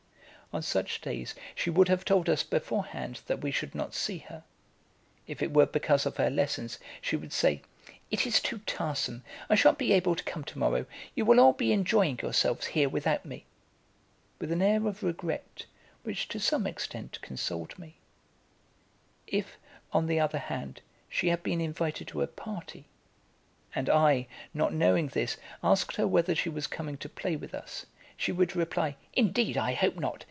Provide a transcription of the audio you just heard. On such days she would have told us beforehand that we should not see her; if it were because of her lessons, she would say: "It is too tiresome, I sha'n't be able to come to morrow; you will all be enjoying yourselves here without me," with an air of regret which to some extent consoled me; if, on the other hand, she had been invited to a party, and I, not knowing this, asked her whether she was coming to play with us, she would reply: "Indeed I hope not!